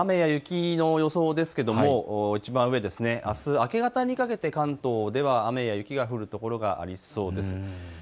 雨や雪の予想ですけれどもいちばん上、あす明け方にかけて関東では雨や雪が降るところがありそうです。